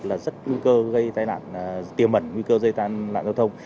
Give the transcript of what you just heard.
là rất nguy cơ gây tai nạn tiềm mẩn nguy cơ dây tan nạn giao thông